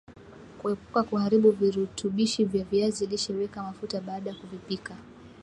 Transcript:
Kuepuka kuharibu virutubishi vya viazi lishe weka mafuta baada ya kuvipika